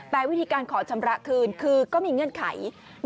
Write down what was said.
แต่วิธีการขอชำระคืนคือก็มีเงื่อนไข